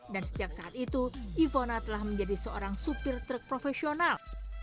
dan sejak saat itu ivona telah menjadi seorang supir truk profesional